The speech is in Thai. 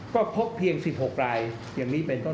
ก็พบเพียง๑๖รายอย่างนี้เป็นต้น